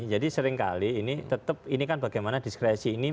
jadi seringkali ini tetap ini kan bagaimana diskresi ini